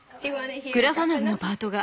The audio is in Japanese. グラファナフのパートが。